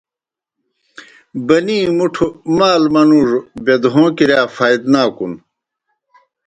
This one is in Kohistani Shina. بَنِی مُٹھوْ مال منُوڙوْ بِدہَوں کِرِیا فائدناکُن۔